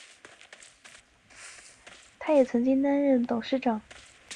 他也曾经兼任太原钢铁集团旗下上市公司山西太钢不锈钢股份有限公司董事长。